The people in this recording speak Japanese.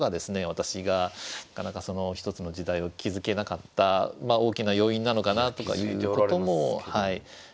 私がなかなか一つの時代を築けなかった大きな要因なのかなとかいうことも感じますね。